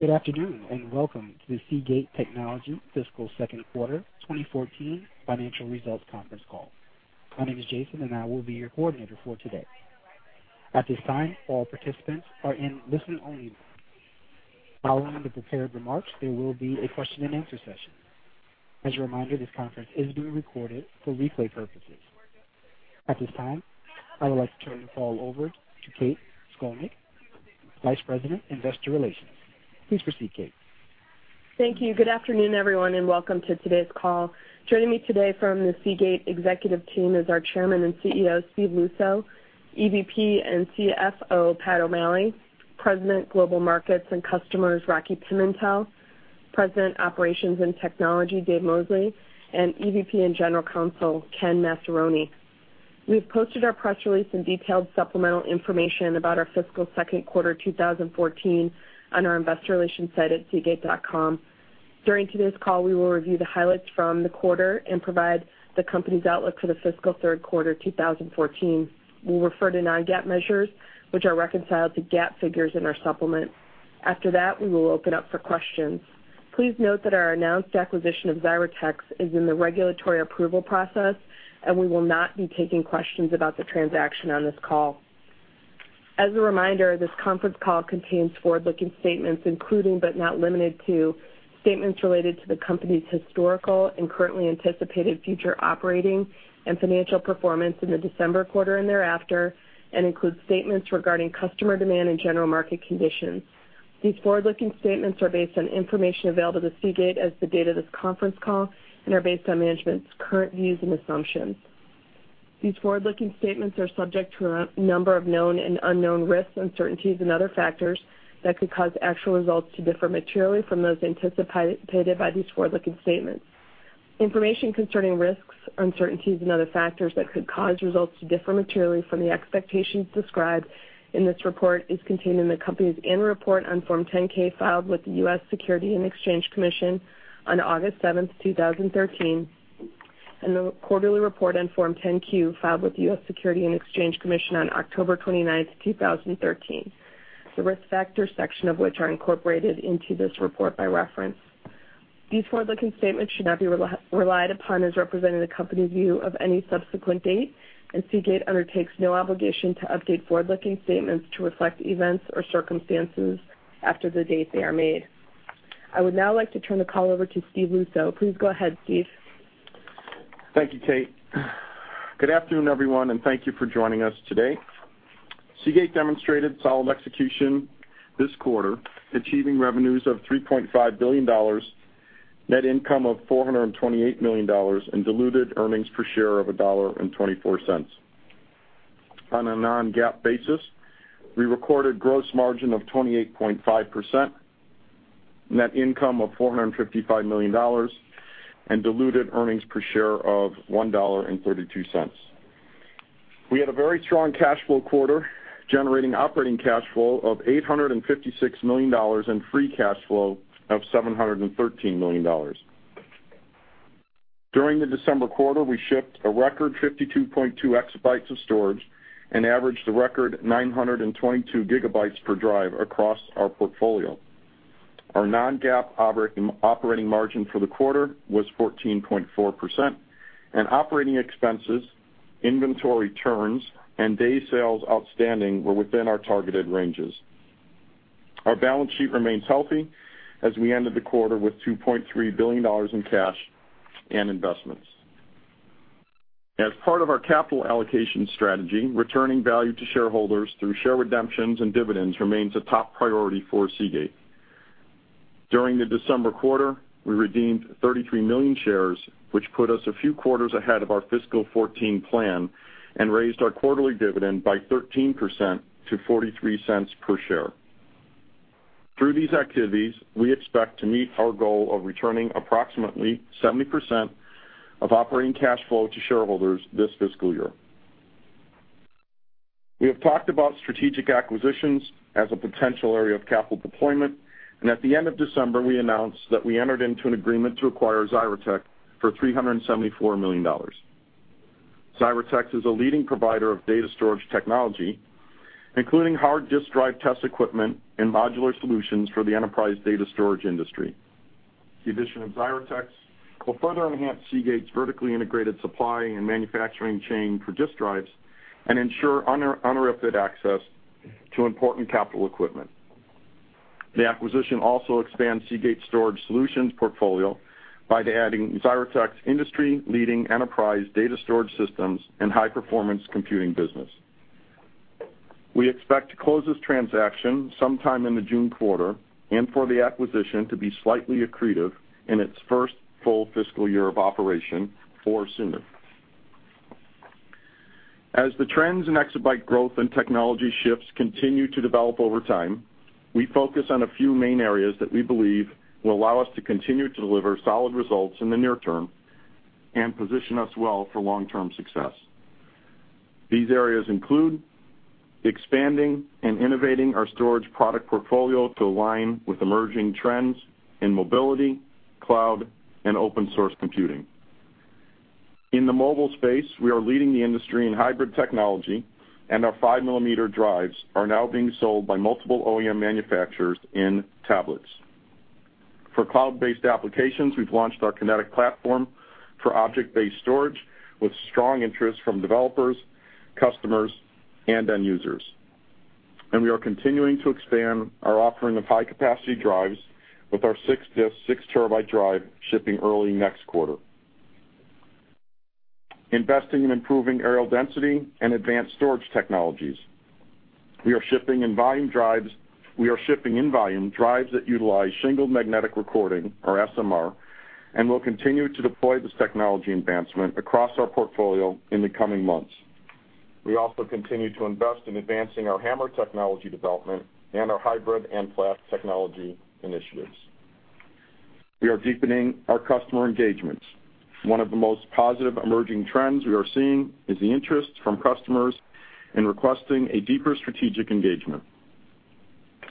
Good afternoon, and welcome to the Seagate Technology fiscal second quarter 2014 financial results conference call. My name is Jason, and I will be your coordinator for today. At this time, all participants are in listen only mode. Following the prepared remarks, there will be a question-and-answer session. As a reminder, this conference is being recorded for replay purposes. At this time, I would like to turn the call over to Kate Scolnick, Vice President, Investor Relations. Please proceed, Kate. Thank you. Good afternoon, everyone, and welcome to today's call. Joining me today from the Seagate executive team is our Chairman and CEO, Steve Luczo, EVP and CFO, Patrick O'Malley, President, Global Markets and Customers, Rocky Pimentel, President, Operations and Technology, Dave Mosley, and EVP and General Counsel, Ken Massaroni. We've posted our press release and detailed supplemental information about our fiscal second quarter 2014 on our investor relations site at seagate.com. During today's call, we will review the highlights from the quarter and provide the company's outlook for the fiscal third quarter 2014. We'll refer to non-GAAP measures, which are reconciled to GAAP figures in our supplement. After that, we will open up for questions. Please note that our announced acquisition of Xyratex is in the regulatory approval process, and we will not be taking questions about the transaction on this call. As a reminder, this conference call contains forward-looking statements, including, but not limited to, statements related to the company's historical and currently anticipated future operating and financial performance in the December quarter and thereafter, and includes statements regarding customer demand and general market conditions. These forward-looking statements are based on information available to Seagate as the date of this conference call and are based on management's current views and assumptions. These forward-looking statements are subject to a number of known and unknown risks, uncertainties, and other factors that could cause actual results to differ materially from those anticipated by these forward-looking statements. Information concerning risks, uncertainties, and other factors that could cause results to differ materially from the expectations described in this report is contained in the company's annual report on Form 10-K filed with the U.S. Securities and Exchange Commission on August 7th, 2013, and the quarterly report on Form 10-Q filed with the U.S. Securities and Exchange Commission on October 29th, 2013, the Risk Factors section of which are incorporated into this report by reference. These forward-looking statements should not be relied upon as representing the company's view of any subsequent date, and Seagate undertakes no obligation to update forward-looking statements to reflect events or circumstances after the date they are made. I would now like to turn the call over to Steve Luczo. Please go ahead, Steve. Thank you, Kate. Good afternoon, everyone, and thank you for joining us today. Seagate demonstrated solid execution this quarter, achieving revenues of $3.5 billion, net income of $428 million, and diluted earnings per share of $1.24. On a non-GAAP basis, we recorded gross margin of 28.5%, net income of $455 million, and diluted earnings per share of $1.32. We had a very strong cash flow quarter, generating operating cash flow of $856 million and free cash flow of $713 million. During the December quarter, we shipped a record 52.2 exabytes of storage and averaged a record 922 gigabytes per drive across our portfolio. Our non-GAAP operating margin for the quarter was 14.4%, and operating expenses, inventory turns, and day sales outstanding were within our targeted ranges. Our balance sheet remains healthy as we ended the quarter with $2.3 billion in cash and investments. As part of our capital allocation strategy, returning value to shareholders through share redemptions and dividends remains a top priority for Seagate. During the December quarter, we redeemed 33 million shares, which put us a few quarters ahead of our fiscal 2014 plan and raised our quarterly dividend by 13% to $0.43 per share. Through these activities, we expect to meet our goal of returning approximately 70% of operating cash flow to shareholders this fiscal year. At the end of December, we announced that we entered into an agreement to acquire Xyratex for $374 million. Xyratex is a leading provider of data storage technology, including hard disk drive test equipment and modular solutions for the enterprise data storage industry. The addition of Xyratex will further enhance Seagate's vertically integrated supply and manufacturing chain for disk drives and ensure uninterrupted access to important capital equipment. The acquisition also expands Seagate Storage Solutions portfolio by adding Xyratex industry-leading enterprise data storage systems and high-performance computing business. We expect to close this transaction sometime in the June quarter and for the acquisition to be slightly accretive in its first full fiscal year of operation or sooner. As the trends in exabyte growth and technology shifts continue to develop over time, we focus on a few main areas that we believe will allow us to continue to deliver solid results in the near term and position us well for long-term success. These areas include expanding and innovating our storage product portfolio to align with emerging trends in mobility, cloud, and open source computing. In the mobile space, we are leading the industry in hybrid technology, and our 5-millimeter drives are now being sold by multiple OEM manufacturers in tablets. For cloud-based applications, we've launched our Kinetic platform for object-based storage with strong interest from developers, customers, and end users. We are continuing to expand our offering of high-capacity drives with our 6-disk 6 terabyte drive shipping early next quarter. We are investing in improving aerial density and advanced storage technologies. We are shipping in volume drives that utilize shingled magnetic recording, or SMR, and will continue to deploy this technology advancement across our portfolio in the coming months. We also continue to invest in advancing our HAMR technology development and our hybrid and flash technology initiatives. We are deepening our customer engagements. One of the most positive emerging trends we are seeing is the interest from customers in requesting a deeper strategic engagement.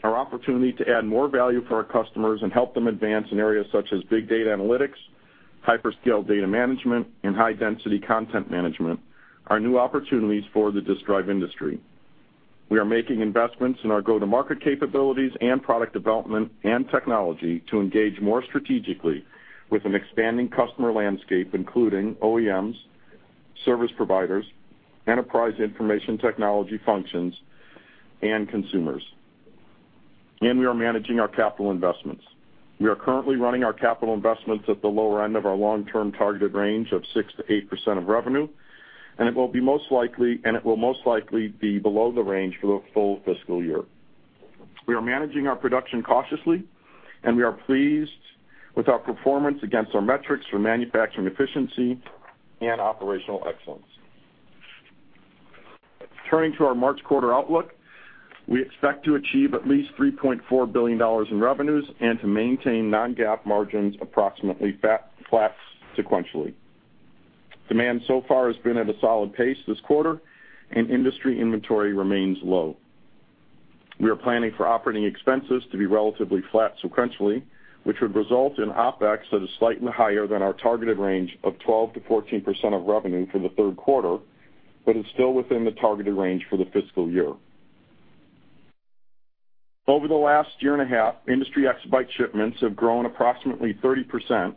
Our opportunity to add more value for our customers and help them advance in areas such as big data analytics, hyperscale data management, and high-density content management are new opportunities for the disk drive industry. We are making investments in our go-to-market capabilities and product development and technology to engage more strategically with an expanding customer landscape, including OEMs, service providers, enterprise information technology functions, and consumers. We are managing our capital investments. We are currently running our capital investments at the lower end of our long-term targeted range of 6%-8% of revenue, and it will most likely be below the range for the full fiscal year. We are managing our production cautiously. We are pleased with our performance against our metrics for manufacturing efficiency and operational excellence. Turning to our March quarter outlook, we expect to achieve at least $3.4 billion in revenues and to maintain non-GAAP margins approximately flat sequentially. Demand so far has been at a solid pace this quarter. Industry inventory remains low. We are planning for operating expenses to be relatively flat sequentially, which would result in OpEx that is slightly higher than our targeted range of 12%-14% of revenue for the third quarter, but is still within the targeted range for the fiscal year. Over the last year and a half, industry exabyte shipments have grown approximately 30%,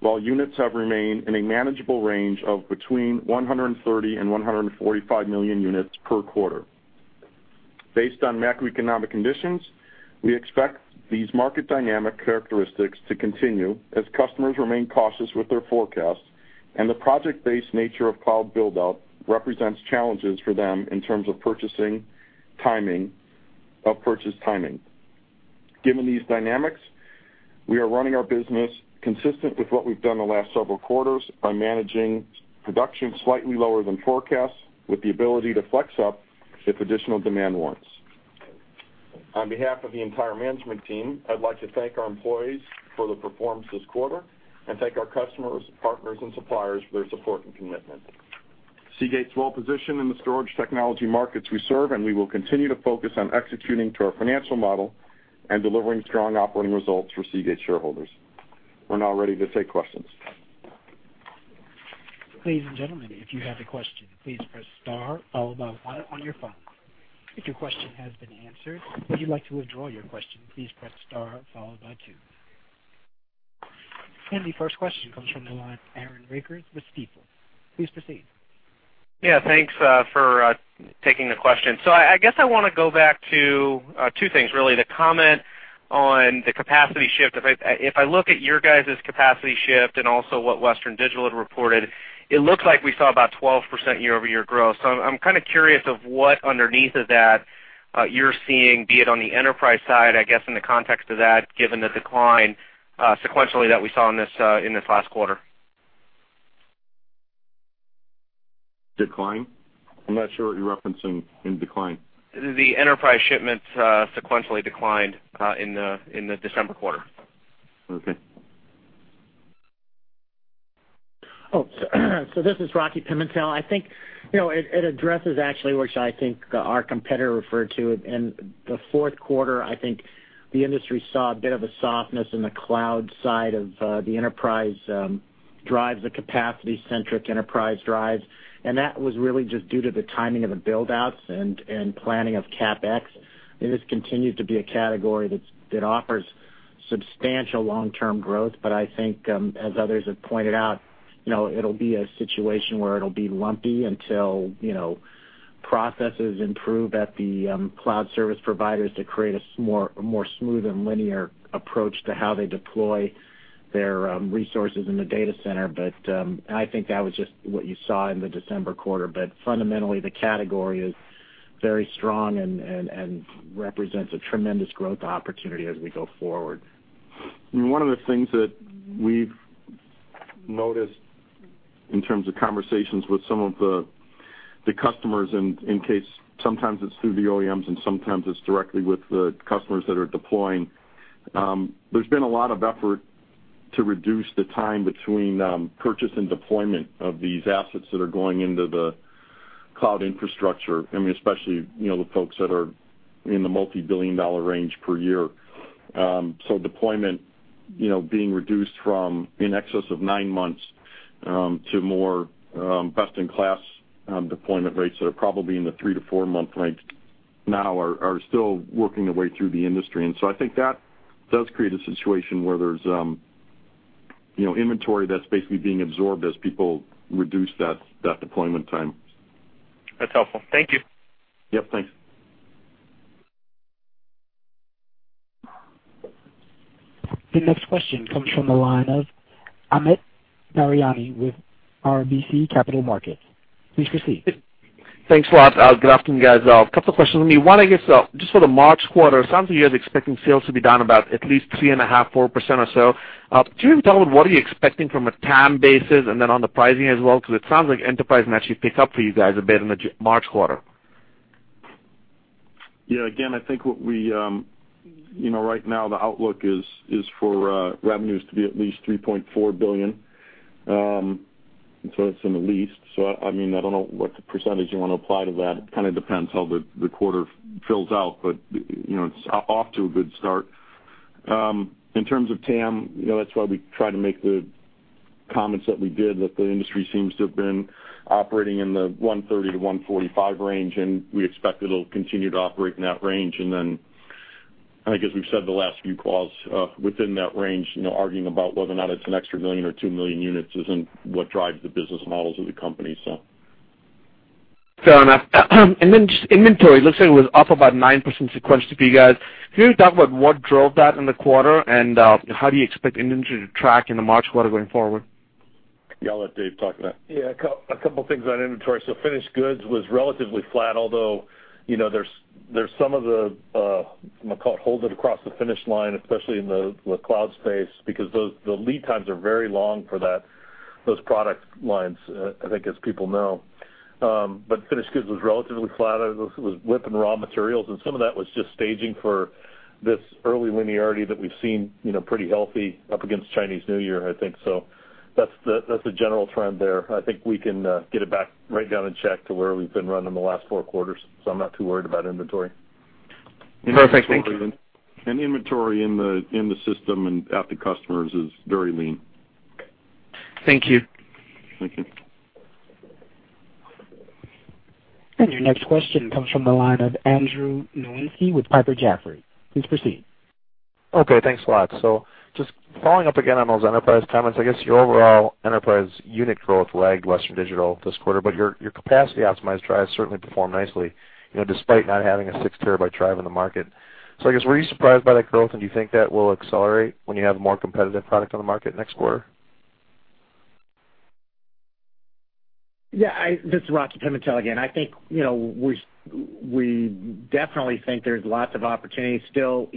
while units have remained in a manageable range of between 130 million units and 145 million units per quarter. Based on macroeconomic conditions, we expect these market dynamic characteristics to continue as customers remain cautious with their forecasts. The project-based nature of cloud build-out represents challenges for them in terms of purchase timing. Given these dynamics, we are running our business consistent with what we've done the last several quarters by managing production slightly lower than forecasts with the ability to flex up if additional demand warrants. On behalf of the entire management team, I'd like to thank our employees for their performance this quarter. Thank our customers, partners, and suppliers for their support and commitment. Seagate's well-positioned in the storage technology markets we serve. We will continue to focus on executing to our financial model and delivering strong operating results for Seagate shareholders. We're now ready to take questions. Ladies and gentlemen, if you have a question, please press star followed by one on your phone. If your question has been answered or you'd like to withdraw your question, please press star followed by two. The first question comes from the line of Aaron Rakers with Stifel. Please proceed. Thanks for taking the question. I guess I want to go back to two things, really, the comment on the capacity shift. If I look at your guys' capacity shift and also what Western Digital had reported, it looks like we saw about 12% year-over-year growth. I'm curious of what underneath of that you're seeing, be it on the enterprise side, I guess in the context of that, given the decline sequentially that we saw in this last quarter. Decline? I'm not sure what you're referencing in decline. The enterprise shipments sequentially declined in the December quarter. Okay. This is Rocky Pimentel. I think it addresses actually, which I think our competitor referred to it. In the fourth quarter, I think the industry saw a bit of a softness in the cloud side of the enterprise drives, the capacity-centric enterprise drives, that was really just due to the timing of the build-outs and planning of CapEx. This continues to be a category that offers substantial long-term growth, I think, as others have pointed out, it'll be a situation where it'll be lumpy until processes improve at the cloud service providers to create a more smooth and linear approach to how they deploy their resources in the data center. I think that was just what you saw in the December quarter. Fundamentally, the category is very strong and represents a tremendous growth opportunity as we go forward. One of the things that we've noticed in terms of conversations with some of the customers, and in case sometimes it's through the OEMs and sometimes it's directly with the customers that are deploying, there's been a lot of effort to reduce the time between purchase and deployment of these assets that are going into the Cloud infrastructure, especially the folks that are in the multi-billion-dollar range per year. Deployment being reduced from in excess of nine months, to more best-in-class deployment rates that are probably in the three- to four-month range now are still working their way through the industry. I think that does create a situation where there's inventory that's basically being absorbed as people reduce that deployment time. That's helpful. Thank you. Yep. Thanks. The next question comes from the line of Amit Daryanani with RBC Capital Markets. Please proceed. Thanks a lot. Good afternoon, guys. A couple of questions. One, I guess, just for the March quarter, it sounds like you guys are expecting sales to be down about at least 3.5%-4% or so. Can you tell me what are you expecting from a TAM basis and then on the pricing as well? It sounds like enterprise might actually pick up for you guys a bit in the March quarter. Yeah. Again, I think right now the outlook is for revenues to be at least $3.4 billion. That's in the least. I don't know what percentage you want to apply to that. It kind of depends how the quarter fills out, but it's off to a good start. In terms of TAM, that's why we try to make the comments that we did, that the industry seems to have been operating in the 130 to 145 range, and we expect it'll continue to operate in that range. I guess we've said the last few calls, within that range, arguing about whether or not it's an extra million or two million units isn't what drives the business models of the company. Fair enough. Just inventory, looks like it was up about 9% sequentially, guys. Can you talk about what drove that in the quarter, and how do you expect inventory to track in the March quarter going forward? Yeah, I'll let Dave talk to that. Yeah, a couple of things on inventory. Finished goods was relatively flat, although there's some of the, I'm going to call it, hold it across the finish line, especially in the cloud space, because the lead times are very long for those product lines, I think as people know. Finished goods was relatively flat. It was WIP and raw materials, and some of that was just staging for this early linearity that we've seen pretty healthy up against Chinese New Year, I think. That's the general trend there. I think we can get it back right down in check to where we've been running the last four quarters. I'm not too worried about inventory. Perfect. Thank you. Inventory in the system and at the customers is very lean. Thank you. Thank you. Your next question comes from the line of Andrew Nowinski with Piper Jaffray. Please proceed. Okay, thanks a lot. Just following up again on those enterprise comments, I guess your overall enterprise unit growth lagged Western Digital this quarter, but your capacity-optimized drives certainly performed nicely despite not having a six-terabyte drive in the market. I guess, were you surprised by that growth, and do you think that will accelerate when you have more competitive product on the market next quarter? Yeah. This is Rocky Pimentel again. I think we definitely think there's lots of opportunity still,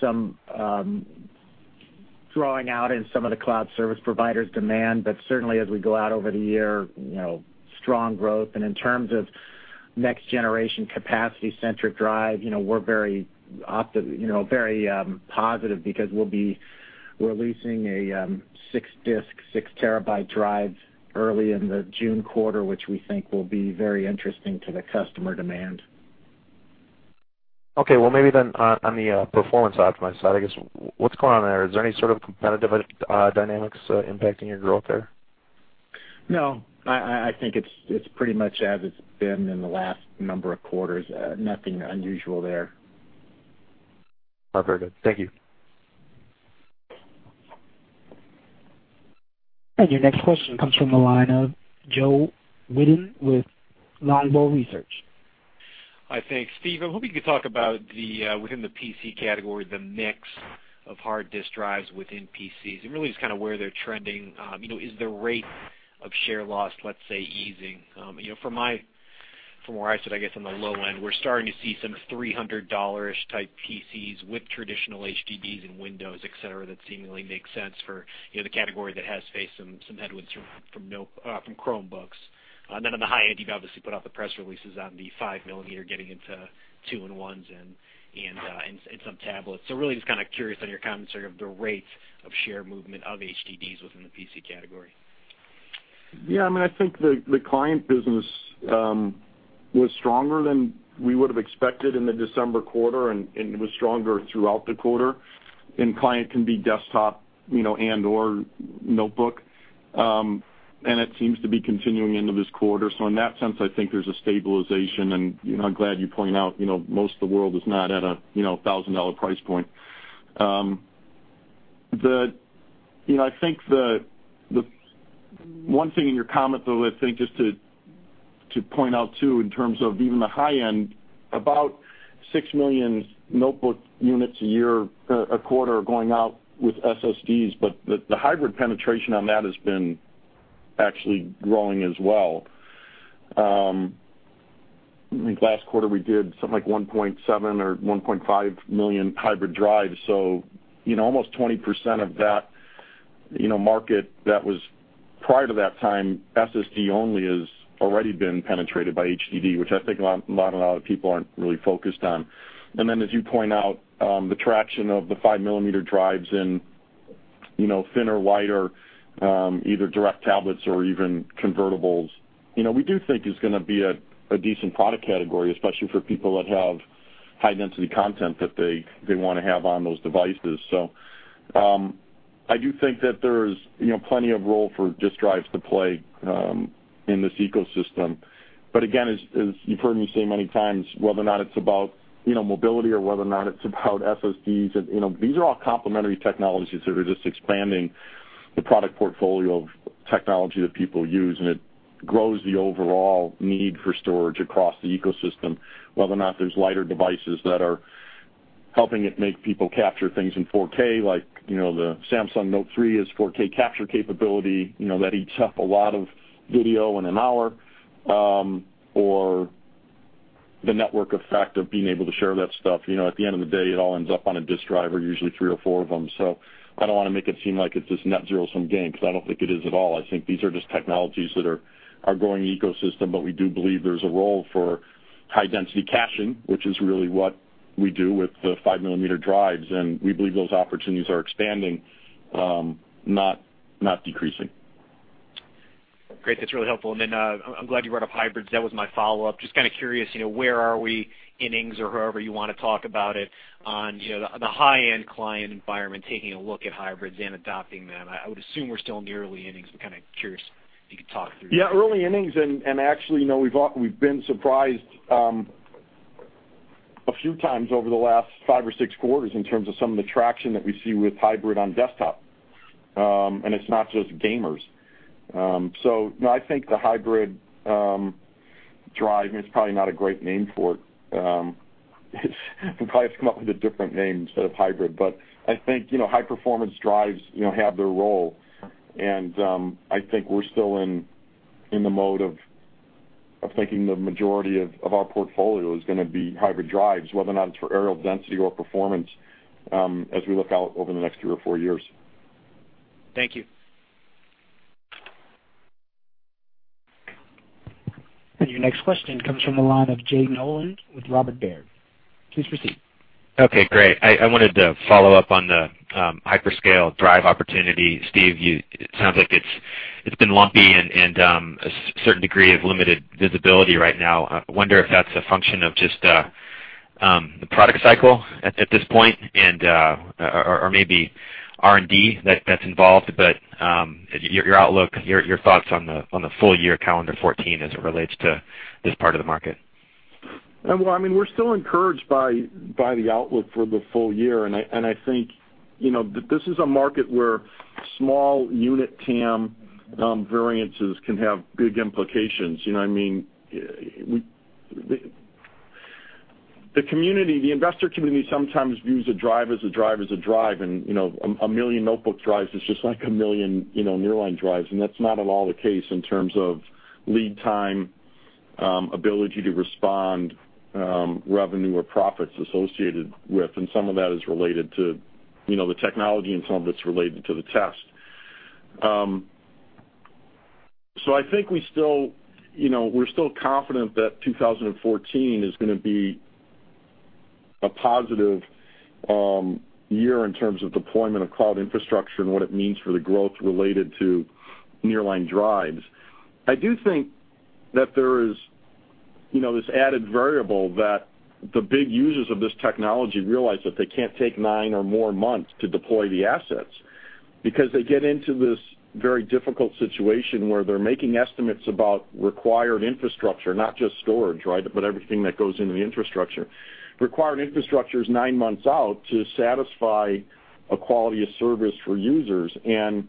some drawing out in some of the cloud service providers' demand. Certainly, as we go out over the year, strong growth. In terms of next-generation capacity-centric drive, we're very positive because we'll be releasing a six-disc, six-terabyte drive early in the June quarter, which we think will be very interesting to the customer demand. Okay. Maybe on the performance-optimized side, I guess, what's going on there? Is there any sort of competitive dynamics impacting your growth there? No. I think it's pretty much as it's been in the last number of quarters. Nothing unusual there. All right. Very good. Thank you. Your next question comes from the line of Joe Wittine with Longbow Research. Hi. Thanks. Steve, I'm hoping you could talk about within the PC category, the mix of hard disk drives within PCs, and really just kind of where they're trending. Is the rate of share loss, let's say, easing? From where I sit, I guess on the low end, we're starting to see some $300-ish type PCs with traditional HDDs and Windows, et cetera, that seemingly makes sense for the category that has faced some headwinds from Chromebooks. On the high end, you've obviously put out the press releases on the 5-millimeter getting into 2-in-1s and some tablets. Really just kind of curious on your comments there of the rate of share movement of HDDs within the PC category. I think the client business was stronger than we would have expected in the December quarter, and it was stronger throughout the quarter. Client can be desktop, and/or notebook. It seems to be continuing into this quarter. In that sense, I think there's a stabilization, and I'm glad you point out most of the world is not at a $1,000 price point. I think the one thing in your comment, though, I think just to point out, too, in terms of even the high end, about 6 million notebook units a quarter are going out with SSDs, but the hybrid penetration on that has been actually growing as well. I think last quarter we did something like 1.7 million or 1.5 million hybrid drives. Almost 20% of that market that was prior to that time, SSD only has already been penetrated by HDD, which I think a lot of people aren't really focused on. As you point out, the traction of the 5-millimeter drives in thinner, lighter, either direct tablets or even convertibles. We do think it's going to be a decent product category, especially for people that have high-density content that they want to have on those devices. I do think that there's plenty of role for disk drives to play in this ecosystem. Again, as you've heard me say many times, whether or not it's about mobility or whether or not it's about SSDs, these are all complementary technologies that are just expanding the product portfolio of technology that people use, and it grows the overall need for storage across the ecosystem, whether or not there's lighter devices that are helping it make people capture things in 4K, like the Samsung Note 3 has 4K capture capability. That eats up a lot of video in an hour. Or the network effect of being able to share that stuff. At the end of the day, it all ends up on a disk drive, or usually three or four of them. I don't want to make it seem like it's this net zero-sum game, because I don't think it is at all. I think these are just technologies that are growing the ecosystem. We do believe there's a role for high-density caching, which is really what we do with the five-millimeter drives, and we believe those opportunities are expanding, not decreasing. Great. That's really helpful. Then I'm glad you brought up hybrids. That was my follow-up. Just kind of curious, where are we, innings or however you want to talk about it, on the high-end client environment, taking a look at hybrids and adopting them? I would assume we're still in the early innings, but kind of curious if you could talk through that. Yeah, early innings. Actually, we've been surprised a few times over the last five or six quarters in terms of some of the traction that we see with hybrid on desktop. It's not just gamers. No, I think the hybrid drive, and it's probably not a great name for it. We probably have to come up with a different name instead of hybrid. I think high-performance drives have their role, and I think we're still in the mode of thinking the majority of our portfolio is going to be hybrid drives, whether or not it's for aerial density or performance, as we look out over the next three or four years. Thank you. Your next question comes from the line of Jaleh Noh with Robert W. Baird. Please proceed. Okay, great. I wanted to follow up on the hyperscale drive opportunity. Steve, it sounds like it's been lumpy and a certain degree of limited visibility right now. I wonder if that's a function of just the product cycle at this point or maybe R&D that's involved, but your outlook, your thoughts on the full-year calendar 2014 as it relates to this part of the market. Well, we're still encouraged by the outlook for the full year, and I think that this is a market where small unit TAM variances can have big implications. You know what I mean? The investor community sometimes views a drive as a drive as a drive, and 1 million notebook drives is just like 1 million nearline drives, and that's not at all the case in terms of lead time, ability to respond, revenue, or profits associated with, and some of that is related to the technology, and some of it's related to the test. I think we're still confident that 2014 is going to be a positive year in terms of deployment of cloud infrastructure and what it means for the growth related to nearline drives. I do think that there's this added variable that the big users of this technology realize that they can't take nine or more months to deploy the assets because they get into this very difficult situation where they're making estimates about required infrastructure, not just storage, but everything that goes into the infrastructure. Required infrastructure is nine months out to satisfy a quality of service for users, and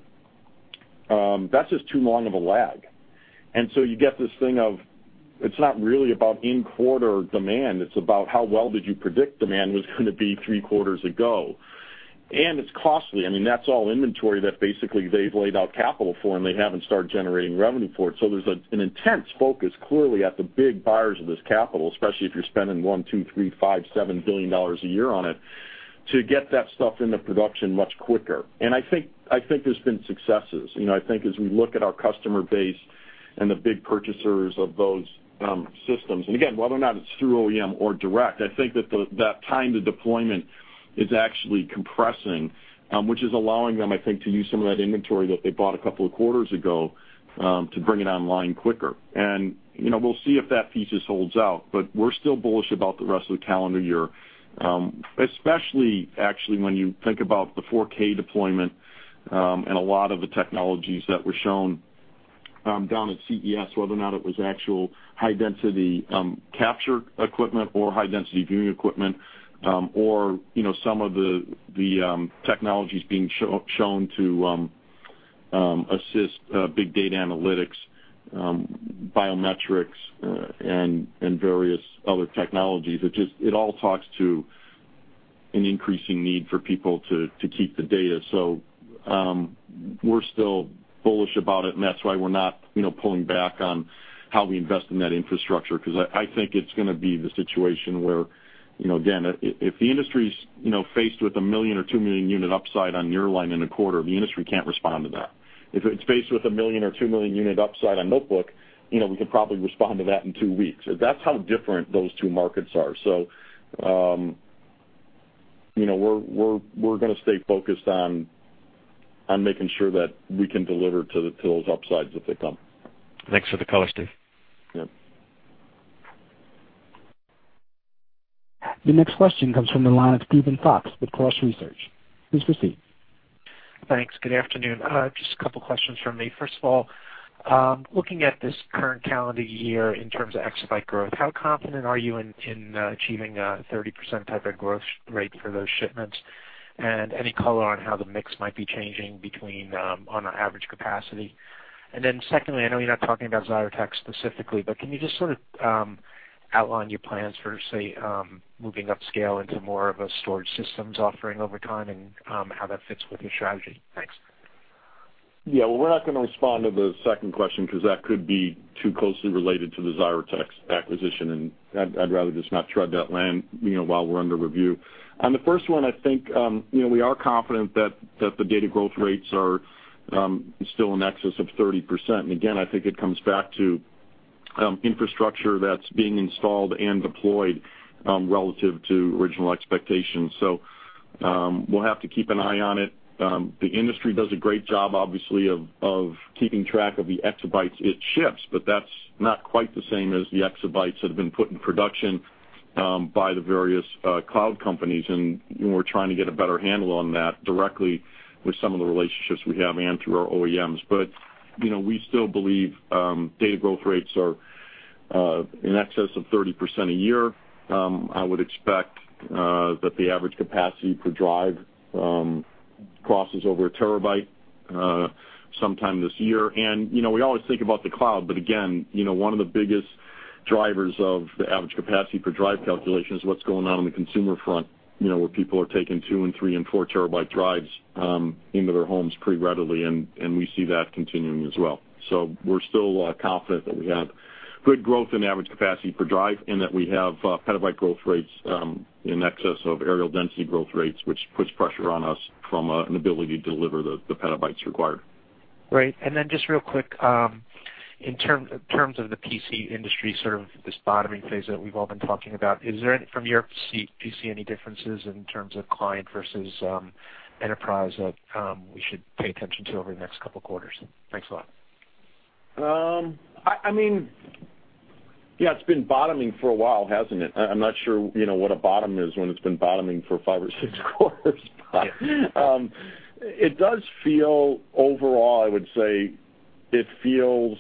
that's just too long of a lag. You get this thing of, it's not really about in-quarter demand. It's about how well did you predict demand was going to be three quarters ago. It's costly. That's all inventory that basically they've laid out capital for, and they haven't started generating revenue for it. There's an intense focus, clearly, at the big buyers of this capital, especially if you're spending $1 billion, $2 billion, $3 billion, $5 billion, $7 billion a year on it, to get that stuff into production much quicker. I think there's been successes. I think as we look at our customer base and the big purchasers of those systems, again, whether or not it's through OEM or direct, I think that the time to deployment is actually compressing, which is allowing them, I think, to use some of that inventory that they bought a couple of quarters ago to bring it online quicker. We'll see if that thesis holds out. We're still bullish about the rest of the calendar year, especially, actually, when you think about the 4K deployment and a lot of the technologies that were shown down at CES, whether or not it was actual high-density capture equipment or high-density viewing equipment, or some of the technologies being shown to assist big data analytics, biometrics, and various other technologies. It all talks to an increasing need for people to keep the data. We're still bullish about it, and that's why we're not pulling back on how we invest in that infrastructure, because I think it's going to be the situation where, again, if the industry's faced with a 1 million or 2 million unit upside on nearline in a quarter, the industry can't respond to that. If it's faced with a 1 million or 2 million unit upside on notebook, we could probably respond to that in two weeks. That's how different those two markets are. We're going to stay focused on making sure that we can deliver to those upsides if they come. Thanks for the color, Steve. Yeah. The next question comes from the line of Steven Fox with Cross Research. Please proceed. Thanks. Good afternoon. Just a couple questions from me. First of all, looking at this current calendar year in terms of exabyte growth, how confident are you in achieving a 30% type of growth rate for those shipments? Any color on how the mix might be changing between on our average capacity? Secondly, I know you're not talking about Xyratex specifically, but can you just sort of outline your plans for, say, moving upscale into more of a storage systems offering over time and how that fits with your strategy? Thanks. Yeah. Well, we're not going to respond to the second question because that could be too closely related to the Xyratex acquisition, and I'd rather just not tread that land while we're under review. On the first one, I think we are confident that the data growth rates are still in excess of 30%. Again, I think it comes back to infrastructure that's being installed and deployed relative to original expectations. We'll have to keep an eye on it. The industry does a great job, obviously, of keeping track of the exabytes it ships, but that's not quite the same as the exabytes that have been put in production by the various cloud companies, and we're trying to get a better handle on that directly with some of the relationships we have and through our OEMs. We still believe data growth rates are in excess of 30% a year. I would expect that the average capacity per drive crosses over a terabyte sometime this year. We always think about the cloud, but again, one of the biggest drivers of the average capacity per drive calculation is what's going on in the consumer front, where people are taking two and three and four terabyte drives into their homes pretty readily, and we see that continuing as well. We're still confident that we have good growth in average capacity per drive and that we have petabyte growth rates in excess of aerial density growth rates, which puts pressure on us from an ability to deliver the petabytes required. Great. Just real quick, in terms of the PC industry, sort of this bottoming phase that we've all been talking about, from your seat, do you see any differences in terms of client versus enterprise that we should pay attention to over the next couple of quarters? Thanks a lot. It's been bottoming for a while, hasn't it? I'm not sure what a bottom is when it's been bottoming for five or six quarters. Yeah. It does feel, overall, I would say it feels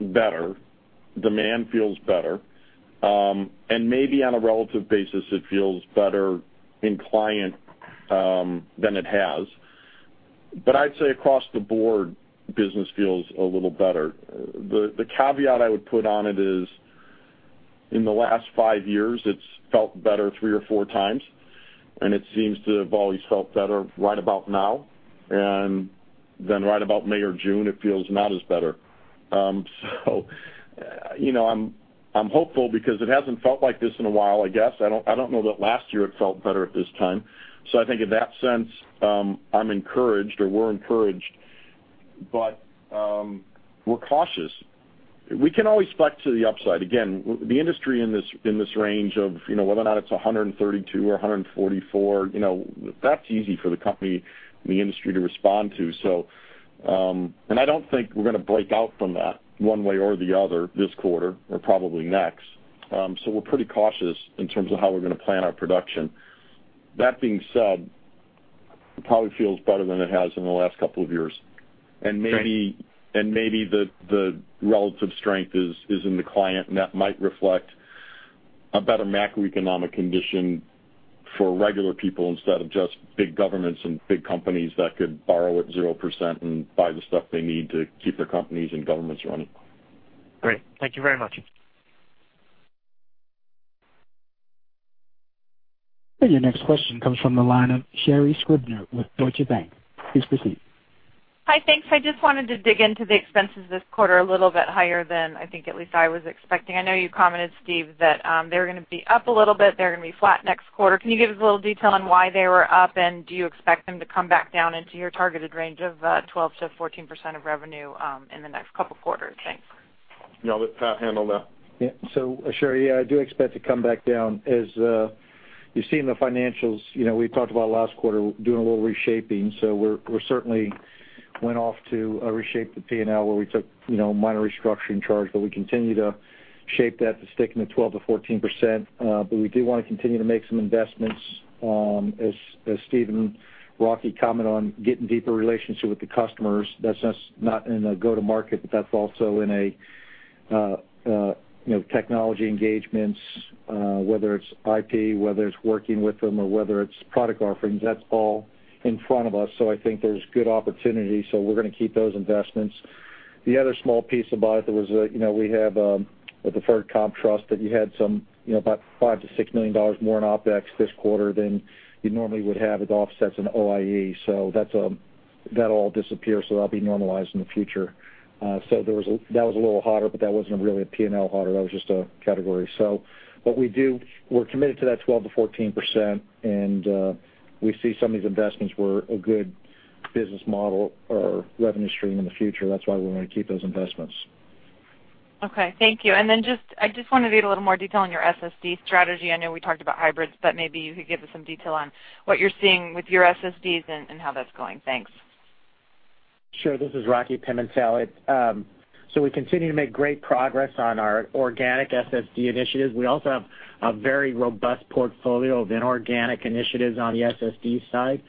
better. Demand feels better. Maybe on a relative basis, it feels better in client than it has. I'd say across the board, business feels a little better. The caveat I would put on it is in the last five years, it's felt better three or four times, and it seems to have always felt better right about now. Right about May or June, it feels not as better. I'm hopeful because it hasn't felt like this in a while, I guess. I don't know that last year it felt better at this time. I think in that sense, I'm encouraged, or we're encouraged, but we're cautious. We can always flex to the upside. Again, the industry in this range of whether or not it's 132 or 144, that's easy for the company and the industry to respond to. I don't think we're going to break out from that one way or the other this quarter or probably next. We're pretty cautious in terms of how we're going to plan our production. That being said, it probably feels better than it has in the last couple of years. Great. Maybe the relative strength is in the client, and that might reflect a better macroeconomic condition for regular people instead of just big governments and big companies that could borrow at 0% and buy the stuff they need to keep their companies and governments running. Great. Thank you very much. Your next question comes from the line of Sherri Scribner with Deutsche Bank. Please proceed. Hi, thanks. I just wanted to dig into the expenses this quarter, a little bit higher than I think at least I was expecting. I know you commented, Steve, that they were going to be up a little bit. They're going to be flat next quarter. Can you give us a little detail on why they were up, and do you expect them to come back down into your targeted range of 12%-14% of revenue in the next couple of quarters? Thanks. Yeah, I'll let Pat handle that. Yeah. Sherri, I do expect to come back down. As you see in the financials, we talked about last quarter doing a little reshaping. We certainly went off to reshape the P&L where we took minor restructuring charge, but we continue to shape that to stick in the 12%-14%. We do want to continue to make some investments as Steve and Rocky comment on getting deeper relationship with the customers. That's not in a go-to-market, but that's also in technology engagements, whether it's IP, whether it's working with them, or whether it's product offerings, that's all in front of us. I think there's good opportunity, so we're going to keep those investments. The other small piece about it, we have a deferred comp trust that you had about $5 million-$6 million more in OpEx this quarter than you normally would have. It offsets an OIE. That'll disappear, so that'll be normalized in the future. That was a little hotter, but that wasn't really a P&L hotter, that was just a category. What we do, we're committed to that 12%-14%, and we see some of these investments were a good business model or revenue stream in the future. That's why we want to keep those investments. Okay. Thank you. I just wanted to get a little more detail on your SSD strategy. I know we talked about hybrids, maybe you could give us some detail on what you're seeing with your SSDs and how that's going. Thanks. Sure. This is Rocky Pimentel. We continue to make great progress on our organic SSD initiatives. We also have a very robust portfolio of inorganic initiatives on the SSD side.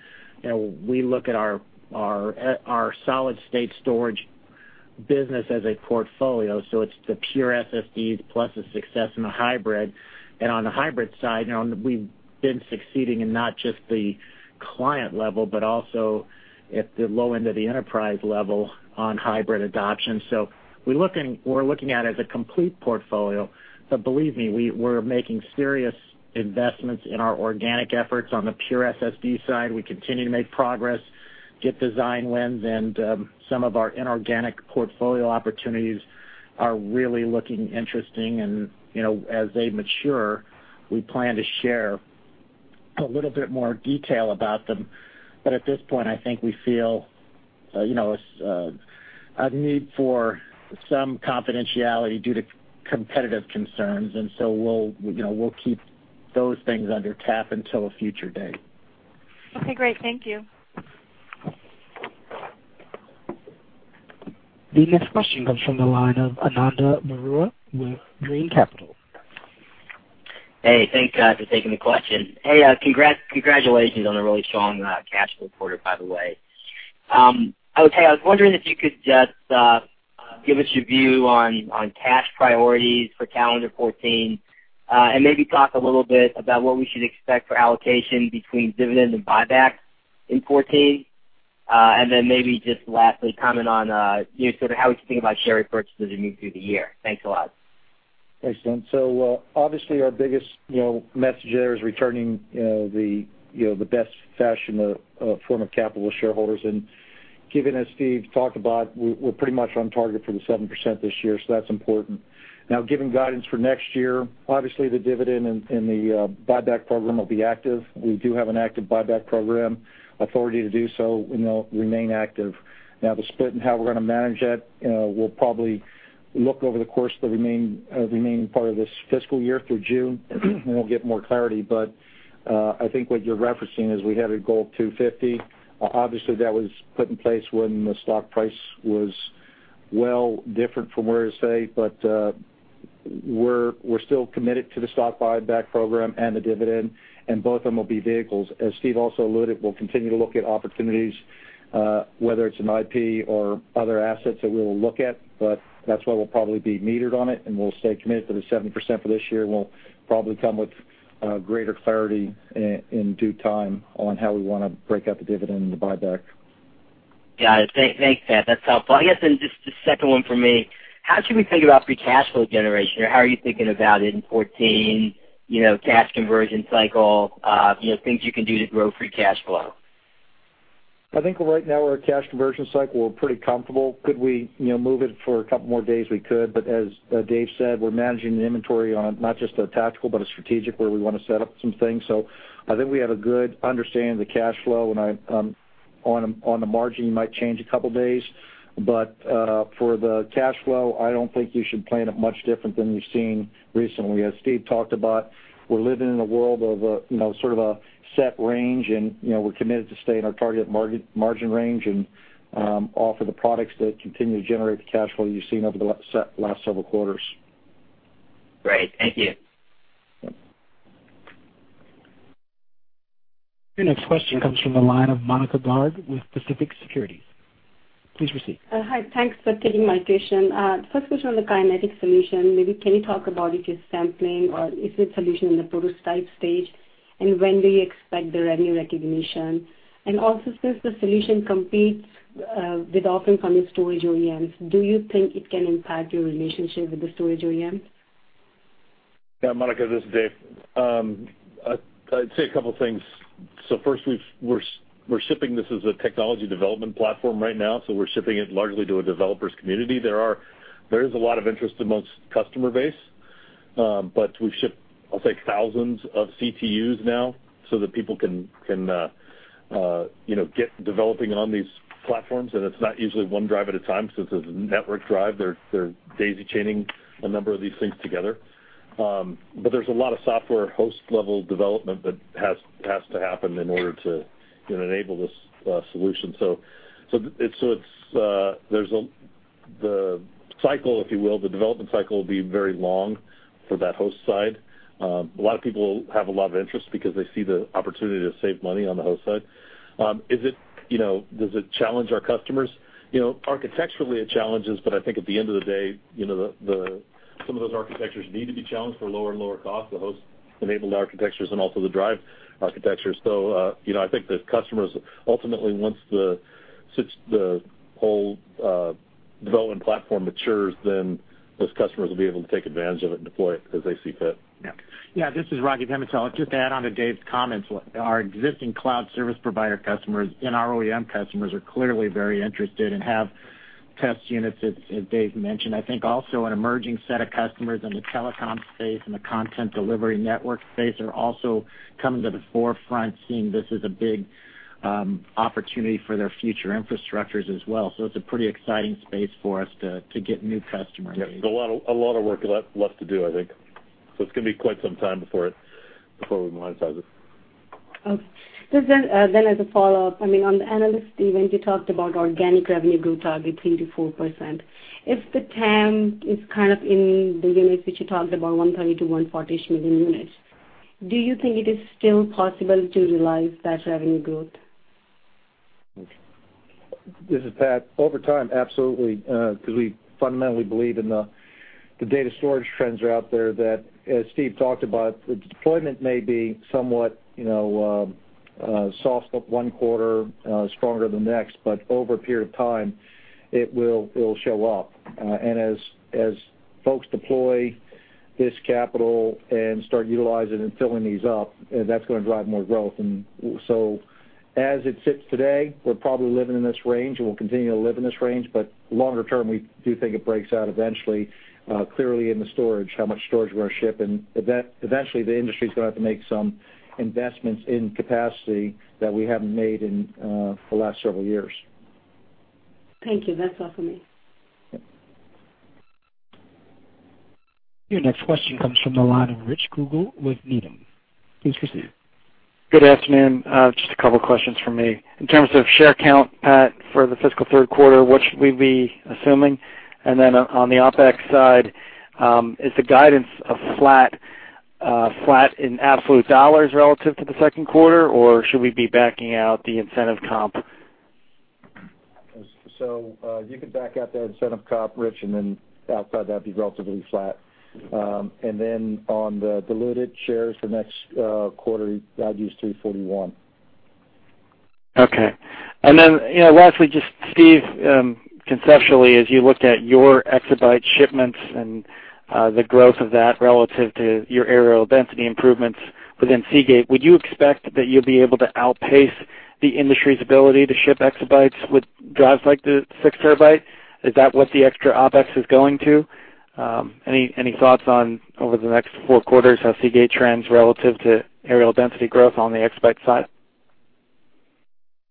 We look at our solid-state storage business as a portfolio, so it's the pure SSD plus the success in the hybrid. On the hybrid side, we've been succeeding in not just the client level, but also at the low end of the enterprise level on hybrid adoption. We're looking at it as a complete portfolio. Believe me, we're making serious investments in our organic efforts. On the pure SSD side, we continue to make progress, get design wins, and some of our inorganic portfolio opportunities are really looking interesting, and as they mature, we plan to share a little bit more detail about them. At this point, I think we feel a need for some confidentiality due to competitive concerns, and so we'll keep those things under cap until a future date. Okay, great. Thank you. The next question comes from the line of Ananda Baruah with Brean Capital. Hey, thanks for taking the question. Hey, congratulations on a really strong cash quarter, by the way. I was wondering if you could just give us your view on cash priorities for calendar 2014, and maybe talk a little bit about what we should expect for allocation between dividends and buyback in 2014. Lastly, comment on how we should think about share purchases as we move through the year. Thanks a lot. Thanks, Ananda. Obviously our biggest message there is returning the best form of capital to shareholders. Given, as Steve talked about, we're pretty much on target for the 70% this year, so that's important. Giving guidance for next year, obviously, the dividend and the buyback program will be active. We do have an active buyback program authority to do so, will remain active. The split and how we're going to manage that, we'll probably look over the course of the remaining part of this fiscal year through June, and we'll get more clarity. I think what you're referencing is we had a goal of $250. Obviously, that was put in place when the stock price was well different from where it is today. We're still committed to the stock buyback program and the dividend, and both of them will be vehicles. As Steve also alluded, we'll continue to look at opportunities, whether it's an IP or other assets that we'll look at, that's why we'll probably be metered on it and we'll stay committed to the 70% for this year. We'll probably come with greater clarity in due time on how we want to break up the dividend and the buyback. Got it. Thanks, Pat. That's helpful. I guess, just a second one from me, how should we think about free cash flow generation, or how are you thinking about it in 2014, cash conversion cycle, things you can do to grow free cash flow? I think right now our cash conversion cycle, we're pretty comfortable. Could we move it for a couple more days? We could, as Dave said, we're managing the inventory on not just a tactical, but a strategic where we want to set up some things. I think we have a good understanding of the cash flow, and on the margin, it might change a couple days. For the cash flow, I don't think you should plan it much different than you've seen recently. As Steve talked about, we're living in a world of sort of a set range, and we're committed to staying in our target margin range and offer the products that continue to generate the cash flow you've seen over the last several quarters. Great. Thank you. Your next question comes from the line of Monika Garg with Pacific Crest Securities. Please proceed. Hi. Thanks for taking my question. First question on the Kinetic solution. Maybe can you talk about if it's sampling or is it solution in the prototype stage, and when do you expect the revenue recognition? Also, since the solution competes with often from the storage OEMs, do you think it can impact your relationship with the storage OEMs? Monika, this is Dave. I'd say a couple of things. First, we're shipping this as a technology development platform right now, we're shipping it largely to a developers community. There is a lot of interest amongst customer base. We've shipped, I'll say, thousands of CTUs now so that people can get developing on these platforms, and it's not usually one drive at a time since it's a network drive. They're daisy chaining a number of these things together. There's a lot of software host-level development that has to happen in order to enable this solution. The cycle, if you will, the development cycle will be very long for that host side. A lot of people have a lot of interest because they see the opportunity to save money on the host side. Does it challenge our customers? Architecturally, it challenges, but I think at the end of the day, some of those architectures need to be challenged for lower and lower cost, the host-enabled architectures and also the drive architectures. I think the customers ultimately, once the whole development platform matures, then those customers will be able to take advantage of it and deploy it as they see fit. This is Rocky Pimentel. Just to add on to Dave's comments, our existing cloud service provider customers and our OEM customers are clearly very interested and have test units, as Dave mentioned. I think also an emerging set of customers in the telecom space and the content delivery network space are also coming to the forefront, seeing this as a big opportunity for their future infrastructures as well. It's a pretty exciting space for us to get new customer base. A lot of work left to do, I think. It's going to be quite some time before we monetize it. As a follow-up, on the analyst event, you talked about organic revenue growth target 3%-4%. If the TAM is kind of in the range that you talked about, 130 million to 140-ish million units, do you think it is still possible to realize that revenue growth? This is Pat. Over time, absolutely, because we fundamentally believe in the data storage trends that are out there, that, as Steve talked about, the deployment may be somewhat soft one quarter, stronger the next. Over a period of time, it will show up. As folks deploy this capital and start utilizing and filling these up, that's going to drive more growth. As it sits today, we're probably living in this range, and we'll continue to live in this range, but longer term, we do think it breaks out eventually, clearly in the storage, how much storage we're going to ship. Eventually, the industry's going to have to make some investments in capacity that we haven't made in the last several years. Thank you. That's all for me. Yep. Your next question comes from the line of Rich Kugele with Needham. Please proceed. Good afternoon. Just a couple of questions from me. In terms of share count, Pat, for the fiscal third quarter, what should we be assuming? On the OpEx side, is the guidance flat in absolute dollars relative to the second quarter, or should we be backing out the incentive comp? You can back out the incentive comp, Rich, and then outside that'd be relatively flat. On the diluted shares the next quarter, I'd use 341. Okay. Lastly, just Steve, conceptually, as you looked at your exabyte shipments and the growth of that relative to your areal density improvements within Seagate, would you expect that you'll be able to outpace the industry's ability to ship exabytes with drives like the six terabyte? Is that what the extra OpEx is going to? Any thoughts on, over the next four quarters, how Seagate trends relative to areal density growth on the exabyte side?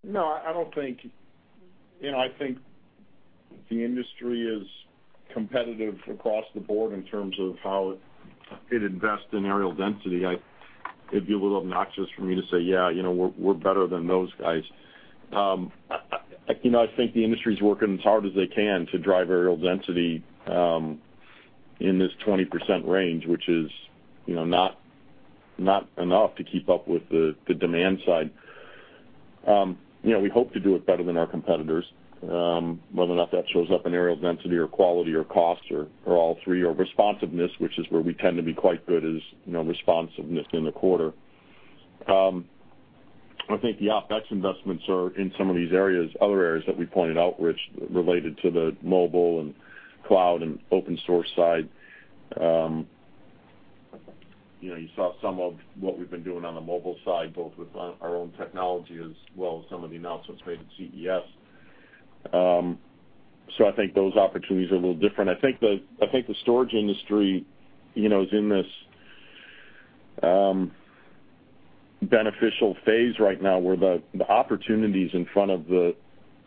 No, I think the industry is competitive across the board in terms of how it invests in areal density. It'd be a little obnoxious for me to say, "Yeah, we're better than those guys." I think the industry's working as hard as they can to drive areal density in this 20% range, which is not enough to keep up with the demand side. We hope to do it better than our competitors, whether or not that shows up in areal density or quality or cost or all three, or responsiveness, which is where we tend to be quite good, is responsiveness in the quarter. I think the OpEx investments are in some of these other areas that we pointed out, Rich, related to the mobile and cloud and open source side. You saw some of what we've been doing on the mobile side, both with our own technology as well as some of the announcements made at CES. I think those opportunities are a little different. I think the storage industry is in this beneficial phase right now where the opportunities in front of the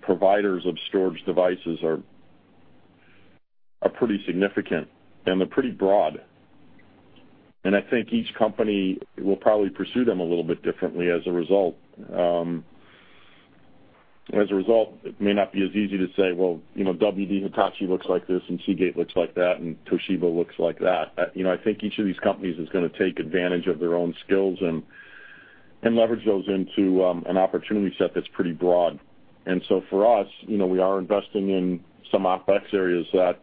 providers of storage devices are pretty significant, and they're pretty broad. I think each company will probably pursue them a little bit differently as a result. As a result, it may not be as easy to say, "Well, WD Hitachi looks like this, and Seagate looks like that, and Toshiba looks like that." I think each of these companies is going to take advantage of their own skills and leverage those into an opportunity set that's pretty broad. For us, we are investing in some OpEx areas that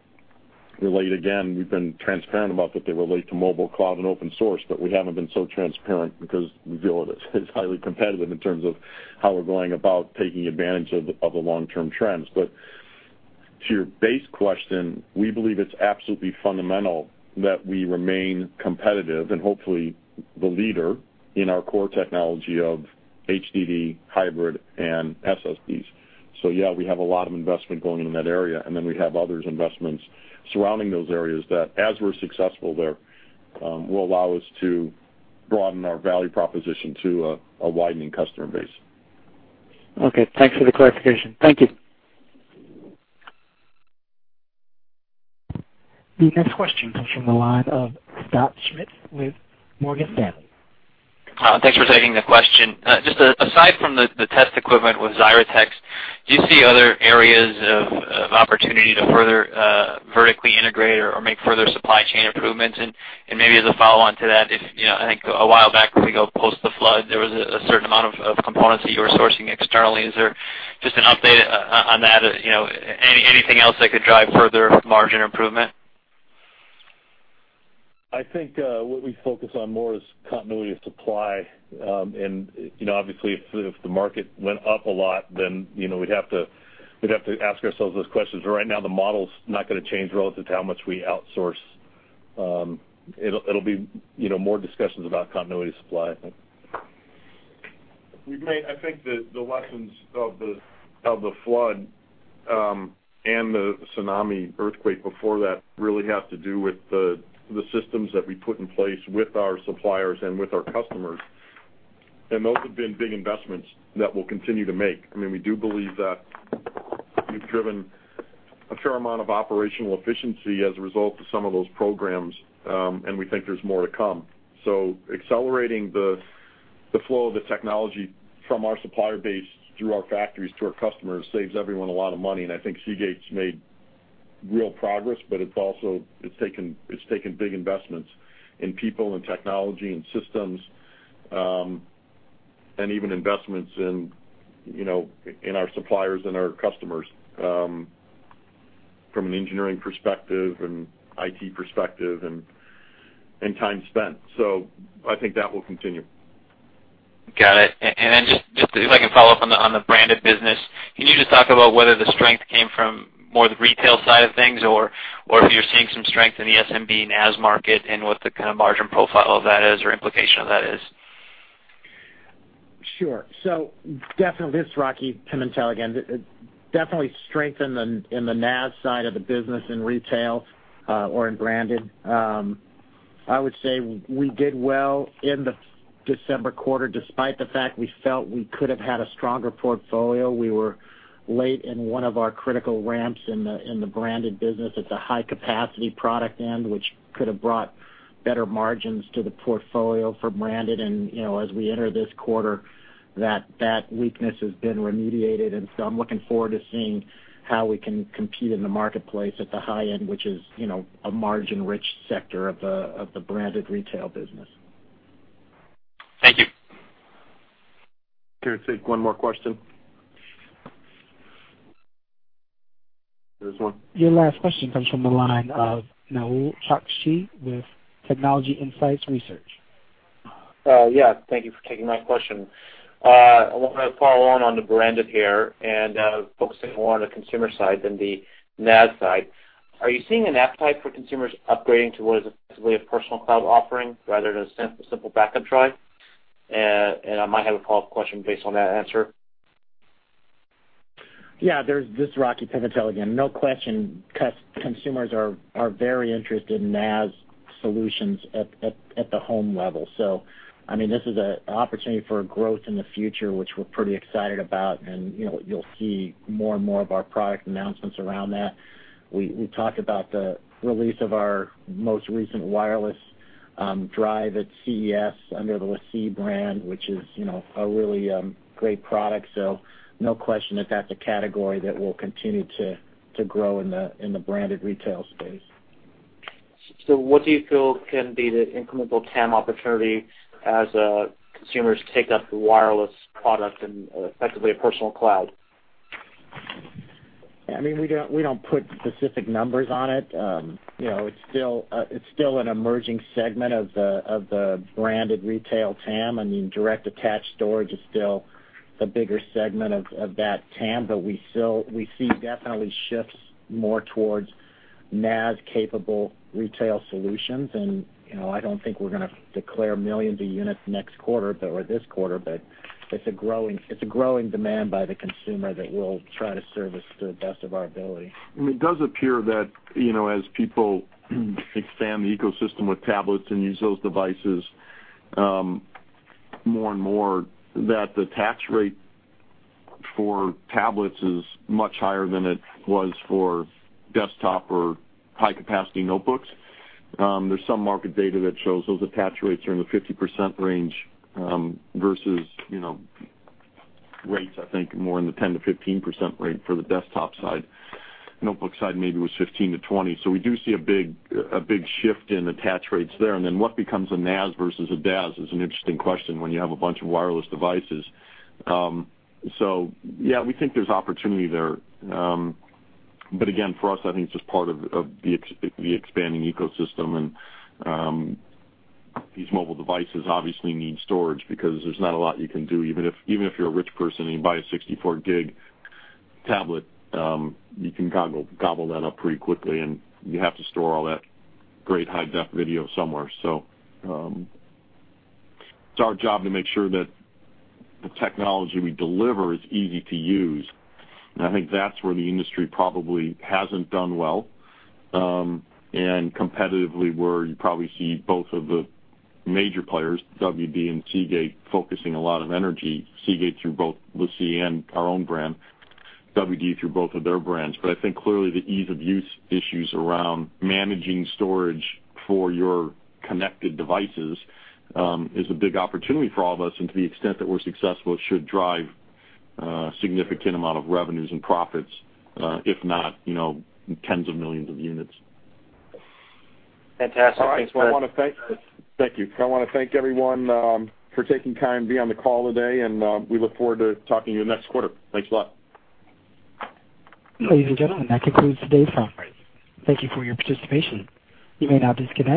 relate, again, we've been transparent about that they relate to mobile, cloud, and open source, we haven't been so transparent because we feel it is highly competitive in terms of how we're going about taking advantage of the long-term trends. To your base question, we believe it's absolutely fundamental that we remain competitive and hopefully the leader in our core technology of HDD, hybrid, and SSDs. Yeah, we have a lot of investment going into that area, we have other investments surrounding those areas that, as we're successful there, will allow us to broaden our value proposition to a widening customer base. Okay. Thanks for the clarification. Thank you. The next question comes from the line of Katy Huberty with Morgan Stanley. Thanks for taking the question. Just aside from the test equipment with Xyratex, do you see other areas of opportunity to further vertically integrate or make further supply chain improvements? Maybe as a follow-on to that, I think a while back, if we go post the flood, there was a certain amount of components that you were sourcing externally. Is there just an update on that? Anything else that could drive further margin improvement? I think what we focus on more is continuity of supply, and obviously if the market went up a lot, then we'd have to ask ourselves those questions. Right now the model's not going to change relative to how much we outsource. It'll be more discussions about continuity of supply, I think. I think that the lessons of the flood, and the tsunami earthquake before that really have to do with the systems that we put in place with our suppliers and with our customers. Those have been big investments that we'll continue to make. We do believe that we've driven a fair amount of operational efficiency as a result of some of those programs, and we think there's more to come. Accelerating the flow of the technology from our supplier base through our factories to our customers saves everyone a lot of money, and I think Seagate's made real progress, but it's taken big investments in people and technology and systems, and even investments in our suppliers and our customers, from an engineering perspective, an IT perspective, and time spent. I think that will continue. Got it. Then just if I can follow up on the branded business, can you just talk about whether the strength came from more the retail side of things or if you're seeing some strength in the SMB NAS market and what the kind of margin profile of that is or implication of that is? Sure. Definitely, this is Rocky Pimentel again. Definitely strength in the NAS side of the business in retail or in branded. I would say we did well in the December quarter, despite the fact we felt we could have had a stronger portfolio. We were late in one of our critical ramps in the branded business. It's a high-capacity product end, which could have brought better margins to the portfolio for branded. As we enter this quarter, that weakness has been remediated, I'm looking forward to seeing how we can compete in the marketplace at the high end, which is a margin-rich sector of the branded retail business. Thank you. Can we take one more question? There's one. Your last question comes from the line of Naeem Kakshi with Technology Insights Research. Yeah, thank you for taking my question. I want to follow on on the branded here and focusing more on the consumer side than the NAS side. Are you seeing an appetite for consumers upgrading to what is effectively a personal cloud offering rather than a simple backup drive? I might have a follow-up question based on that answer. Yeah, this is Rocky Pimentel again. No question, consumers are very interested in NAS solutions at the home level. This is an opportunity for growth in the future, which we're pretty excited about. You'll see more and more of our product announcements around that. We talked about the release of our most recent wireless drive at CES under the LaCie brand, which is a really great product. No question that that's a category that will continue to grow in the branded retail space. What do you feel can be the incremental TAM opportunity as consumers take up the wireless product and effectively a personal cloud? We don't put specific numbers on it. It's still an emerging segment of the branded retail TAM. Direct attached storage is still the bigger segment of that TAM, but we see definitely shifts more towards NAS-capable retail solutions. I don't think we're going to declare millions of units next quarter or this quarter, but it's a growing demand by the consumer that we'll try to service to the best of our ability. It does appear that as people expand the ecosystem with tablets and use those devices more and more, that the attach rate for tablets is much higher than it was for desktop or high-capacity notebooks. There's some market data that shows those attach rates are in the 50% range versus rates, I think more in the 10%-15% range for the desktop side. Notebook side maybe was 15%-20%. We do see a big shift in attach rates there. What becomes a NAS versus a DAS is an interesting question when you have a bunch of wireless devices. Yeah, we think there's opportunity there. Again, for us, I think it's just part of the expanding ecosystem and these mobile devices obviously need storage because there's not a lot you can do. Even if you're a rich person and you buy a 64-gig tablet, you can gobble that up pretty quickly, and you have to store all that great high-def video somewhere. It's our job to make sure that the technology we deliver is easy to use. I think that's where the industry probably hasn't done well. Competitively where you probably see both of the major players, WD and Seagate, focusing a lot of energy. Seagate through both LaCie and our own brand, WD through both of their brands. I think clearly the ease-of-use issues around managing storage for your connected devices is a big opportunity for all of us, and to the extent that we're successful, it should drive a significant amount of revenues and profits, if not tens of millions of units. Fantastic. Thanks. Thank you. I want to thank everyone for taking time to be on the call today. We look forward to talking to you next quarter. Thanks a lot. Ladies and gentlemen, that concludes today's conference. Thank you for your participation. You may now disconnect.